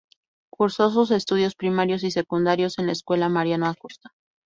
Cursó sus estudios primarios y secundarios en la Escuela Mariano Acosta.